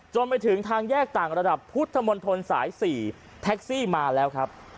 ไปถึงทางแยกต่างระดับพุทธมนตรสาย๔แท็กซี่มาแล้วครับ